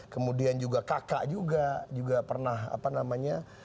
kemudian juga kakak juga juga pernah apa namanya